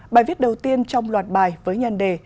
bài viết đầu tiên trong loạt bài với nhân đề